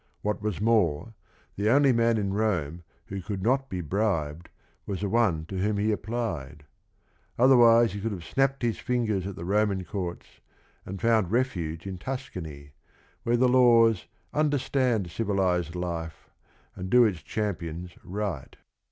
What was more, the only man in Rome who could not be bribed was the one to whom he applied. Otherwise he could have snapped his fingers at the Roman courts and found refuge in Tuscany, where the laws "understand civilized life and do its champions right."